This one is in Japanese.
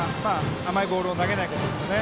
甘いボールを投げないことですね。